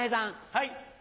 はい。